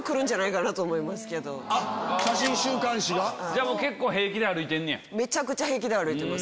じゃあ結構平気で歩いてんねや。